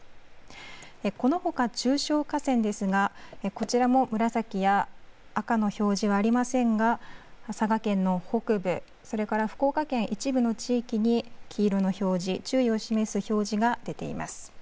このほか中小河川ですが、こちらも紫や赤の表示はありませんが、佐賀県の北部、それから福岡県一部の地域に、黄色の表示、注意を示す表示が出ています。